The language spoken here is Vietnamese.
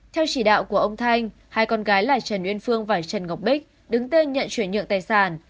theo chỉ đạo của ông thanh hai con gái là trần uyên phương và trần ngọc bích đứng tên nhận chuyển nhượng tài sản